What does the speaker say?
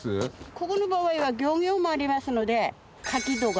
ここの場合は漁業もありますので牡蠣とか。